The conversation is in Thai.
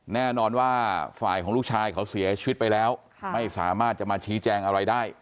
แน่นอนว่าฝ่ายของลูกชายเขาเสียชีวิตไปแล้วไม่สามารถจะมาชี้แจงอะไรได้